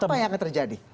apa yang akan terjadi